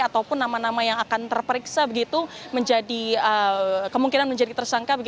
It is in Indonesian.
ataupun nama nama yang akan terperiksa begitu menjadi kemungkinan menjadi tersangka